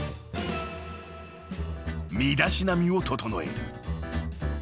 ［身だしなみを整える］